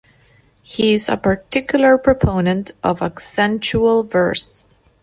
He is a particular proponent of accentual verse.